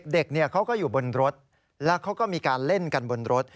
เด็กเขาก็อยู่บนรถแล้วเขาก็มีการเล่นกันบนรถ